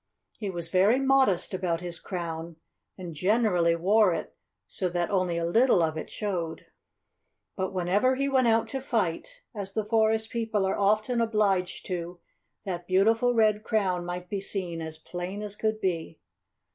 He was very modest about his crown, and generally wore it so that only a little of it showed. But whenever he went out to fight, as the forest people are often obliged to, that beautiful red crown might be seen as plain as could be.